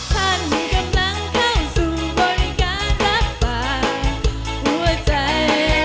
ท่านกำลังเข้าสู่บริการรับปากหัวใจ